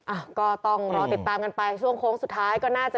อ่ะก็ต้องรอติดตามกันไปช่วงโค้งสุดท้ายก็น่าจะ